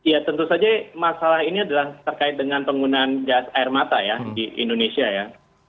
ya tentu saja masalah ini adalah terkait dengan penggunaan gas air mata ya di indonesia ya